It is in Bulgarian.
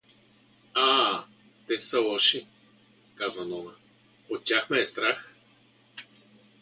— А! тез са лоши — каза Нона. — От тях ме е страх.